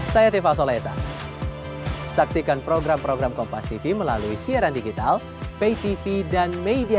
saya tifa solesa saksikan program program kompas tv melalui siaran digital pay tv dan media